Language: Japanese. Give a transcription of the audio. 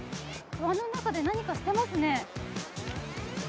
川の中で何かしてますね。